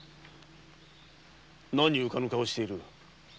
何うかぬ顔している。